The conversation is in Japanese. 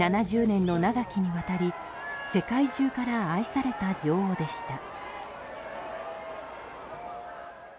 ７０年の長きにわたり世界中から愛された女王でした。